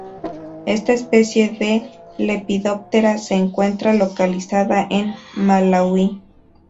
Esta especie de Lepidoptera se encuentra localizada en Malaui.